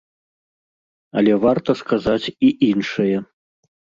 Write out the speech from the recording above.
Але варта сказаць і іншае.